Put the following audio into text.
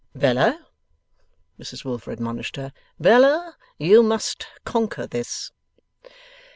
'Bella!' Mrs Wilfer admonished her; 'Bella, you must conquer this.